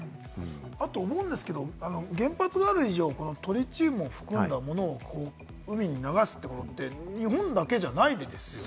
あと原発がある以上、トリチウムを含んだものを海に流すということって日本だけじゃないわけですよね。